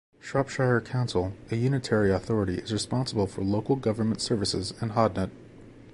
Shropshire Council, a Unitary authority is responsible for local government services in Hodnet.